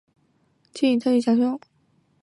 后返回卫拉特传教。